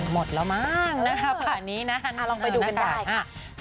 หมดแล้วมากนะครับอ่าลองไปดูกันได้ค่ะ